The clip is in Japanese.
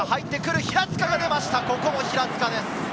ここも平塚です。